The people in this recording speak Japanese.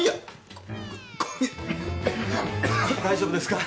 大丈夫ですか？